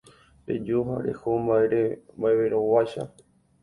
reju ha reho mba'everõguáicha.